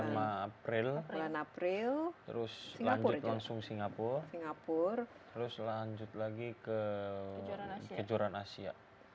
bulan april terus lanjut langsung singapura terus lanjut lagi ke kejuran asia